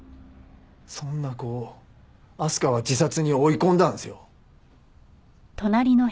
そんな子を明日香は自殺に追い込んだんですよ！